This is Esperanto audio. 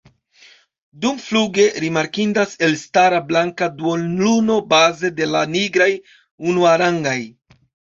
Dumfluge rimarkindas elstara blanka duonluno, baze de la nigraj unuarangaj.